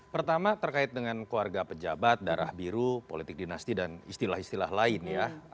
pertama terkait dengan keluarga pejabat darah biru politik dinasti dan istilah istilah lain ya